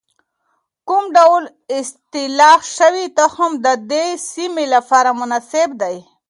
کوم ډول اصلاح شوی تخم د دې سیمې لپاره مناسب دی؟